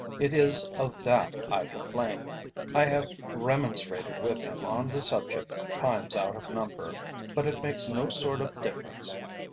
It is of that I complain. I have remonstrated with him on the subject times out of number, but it makes no sort of difference.